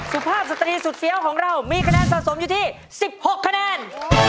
สุภาพสตรีสุดเฟี้ยวของเรามีคะแนนสะสมอยู่ที่๑๖คะแนน